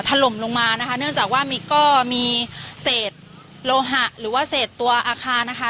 ถล่มลงมานะคะเนื่องจากว่ามีก็มีเศษโลหะหรือว่าเศษตัวอาคารนะคะ